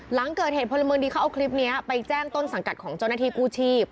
หลังเกิดเหตุพลเมืองดีเขาเอาคลิปนี้ไปแจ้งต้นสังกัดของเจ้าหน้าที่กู้ชีพ